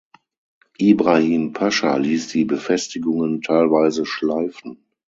Ibrahim Pascha ließ die Befestigungen teilweise schleifen.